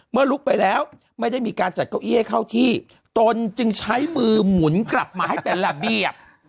ลุกไปแล้วไม่ได้มีการจัดเก้าอี้ให้เข้าที่ตนจึงใช้มือหมุนกลับมาให้เป็นระเบียบ